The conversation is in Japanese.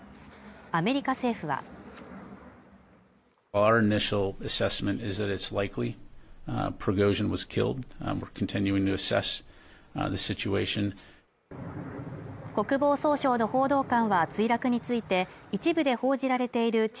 アメリカ政府は国防総省の報道官は墜落について一部で報じられている地